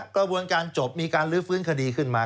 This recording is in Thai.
กระบวนการจบมีการลื้อฟื้นคดีขึ้นมา